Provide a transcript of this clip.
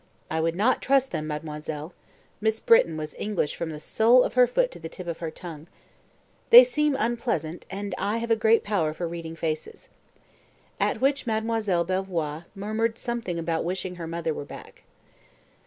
"I would not trust them, Mademoiselle" (Miss Britton was English from the sole of her foot to the tip of her tongue). "They seem unpleasant, and I have a great power for reading faces." At which Mademoiselle Belvoir murmured something about wishing her mother were back.